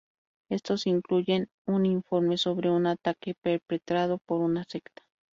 Estos incluyen un informe sobre un ataque perpetrado por una secta.